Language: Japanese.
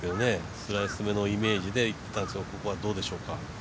スライスめのイメージでいっていたんですけどここはどうでしょうか。